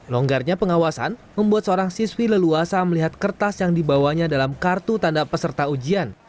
longgarnya pengawasan membuat seorang siswi leluasa melihat kertas yang dibawanya dalam kartu tanda peserta ujian